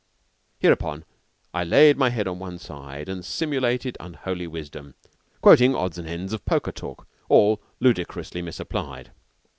Hereupon I laid my head upon one side and simulated unholy wisdom, quoting odds and ends of poker talk, all ludicrously misapplied.